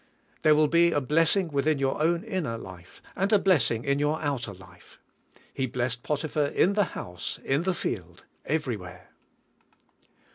There will be a blessing within your own inner life, and a blessing in your outer life. He blessed Potiphar in the house, in the field, everywhere.